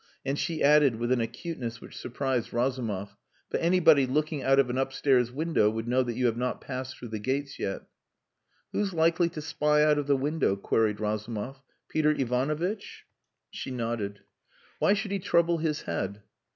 And she added, with an acuteness which surprised Razumov, "But anybody looking out of an upstairs window would know that you have not passed through the gates yet." "Who's likely to spy out of the window?" queried Razumov. "Peter Ivanovitch?" She nodded. "Why should he trouble his head?"